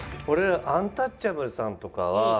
俺アンタッチャブルさんとかは。